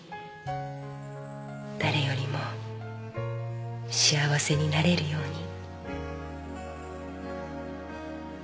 誰よりも幸せになれるように。